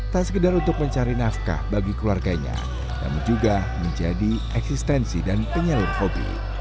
tak sekedar untuk mencari nafkah bagi keluarganya namun juga menjadi eksistensi dan penyalur hobi